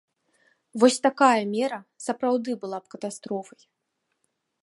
Вось такая мера сапраўды было б катастрофай.